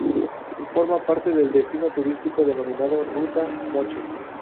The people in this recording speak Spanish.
Forma parte del destino turístico denominado Ruta Moche.